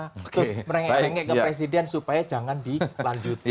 terus merengek rengek ke presiden supaya jangan dilanjuti